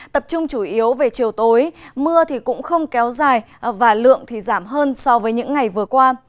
tập trung chủ yếu về chiều tối mưa cũng không kéo dài và lượng thì giảm hơn so với những ngày vừa qua